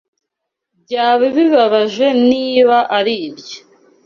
Byaba bibabaje niba aribyo.